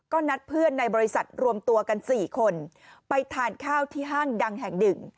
ก็นัดเพื่อนในบริษัทรวมตัวกัน๔คนไปทานข้าวที่ห้างดังแห่งหนึ่ง